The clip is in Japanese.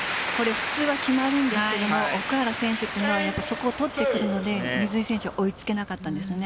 普通は決まるんですけど奥原選手はそこを取ってくるので水井選手は追いつけなかったんですね。